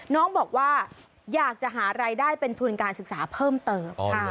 น้องบอกว่าอยากจะหารายได้เป็นทุนการศึกษาเพิ่มเติม